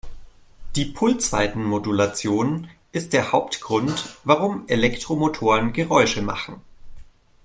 Die Pulsweitenmodulation ist der Hauptgrund, warum Elektromotoren Geräusche machen.